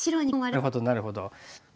なるほどなるほど。